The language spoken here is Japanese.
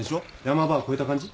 ヤマ場は越えた感じ？